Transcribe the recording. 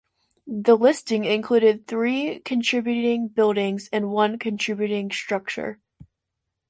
The listing included three contributing buildings and one contributing structure.